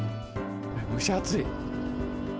蒸し暑い。